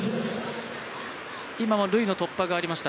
今のルイの突破がありました。